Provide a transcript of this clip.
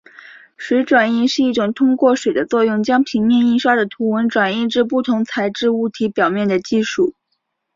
水转印是一种通过水的作用将平面印刷的图文转印至不同材质物体表面的技术。